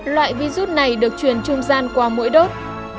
loại virus này được truyền trung gian qua mũi đốt